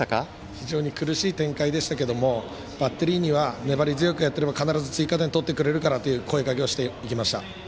非常に苦しい展開でしたけれどバッテリーには粘り強くやれば必ず追加点を取ってくれるからと声がけをしました。